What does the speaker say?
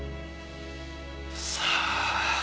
さあ。